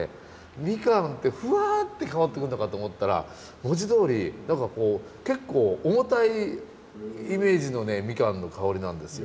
みかんってふわって香ってくるのかと思ったら文字どおり何か結構重たいイメージのねみかんの香りなんですよ。